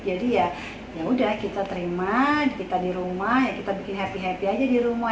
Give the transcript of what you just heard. jadi yaudah kita terima kita di rumah kita bikin happy happy aja di rumah